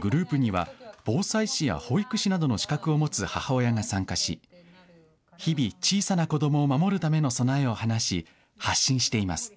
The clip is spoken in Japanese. グループには防災士や保育士などの資格を持つ母親が参加し日々、小さな子どもを守るための備えを話し、発信しています。